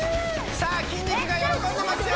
さあ筋肉が喜んでますよ